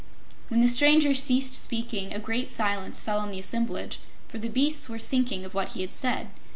When the stranger ceased speaking, a great silence fell on the assemblage, for the beasts were thinking of what he had said.